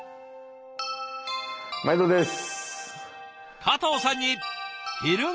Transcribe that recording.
毎度です。